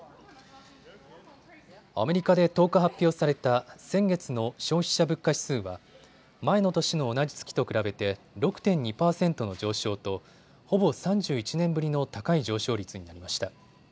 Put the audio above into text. アメリカで１０日発表された先月の消費者物価指数は前の年の同じ月と比べて６．２％の上昇とほぼ３１年ぶりの高い上昇率になりました。